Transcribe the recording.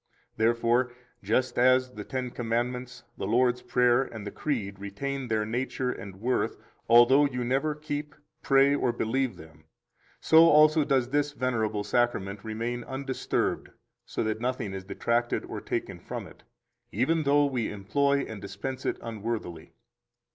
5 Therefore, just as the Ten Commandments, the Lord's Prayer, and the Creed retain their nature and worth, although you never keep, pray, or believe them, so also does this venerable Sacrament remain undisturbed, so that nothing is detracted or taken from it, even though we employ and dispense it unworthily.